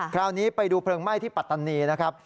คราวนี้ไปดูเพลิงไหม้ที่ปัตตานีนะครับ